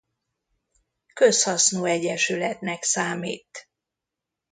Közhasznú egyesületnek számít.